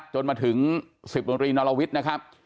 จนมาถึง๑๐ตรีนรวิทย์